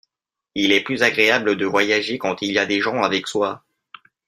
Il est plus agréable de voyager quand il y a des gens avec soi.